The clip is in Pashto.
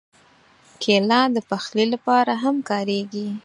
کېله د پخلي لپاره هم کارېږي.